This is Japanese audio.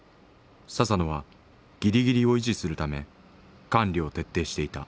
佐々野はギリギリを維持するため管理を徹底していた。